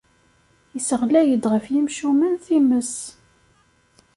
Isseɣlay-d ɣef yimcumen times.